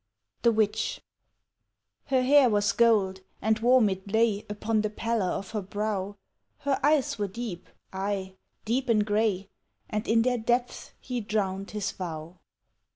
The Witch HER hair was gold and warm it lay Upon the pallor of her brow; Her eyes were deep, aye, deep and gray And in their depths he drowned his vow.